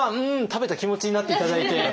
食べた気持ちになって頂いて。